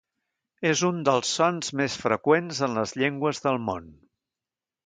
És un dels sons més freqüents en les llengües del món.